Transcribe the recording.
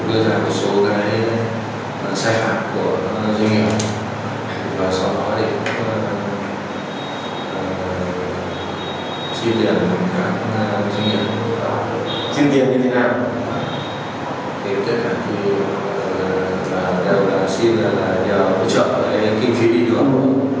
thế tất cả thì đều là xin là đều hỗ trợ kinh phí đi đường